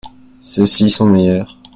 Ceux-ci sont meilleurs.